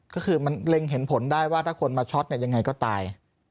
ก็คือมันเล็งเห็นผลได้ว่าถ้าคนมาช็อตเนี่ยยังไงก็ตาย